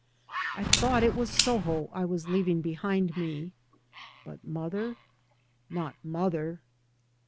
I thought it was Soho I was leaving behind me. But mother — not mother.